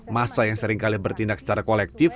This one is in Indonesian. masa yang seringkali bertindak secara kolektif